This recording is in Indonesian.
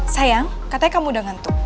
sayang katanya kamu udah ngantuk